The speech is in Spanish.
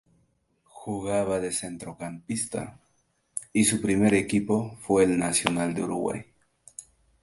Jugaba de centrocampista y su primer equipo fue el Nacional de Uruguay.